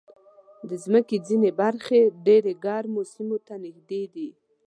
د مځکې ځینې برخې ډېر ګرمو سیمو ته نږدې دي.